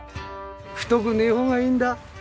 太くねえ方がいいんだ実際は。